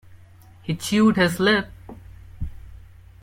He chewed his lip.